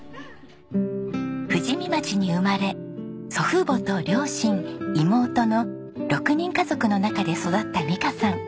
富士見町に生まれ祖父母と両親妹の６人家族の中で育った美香さん。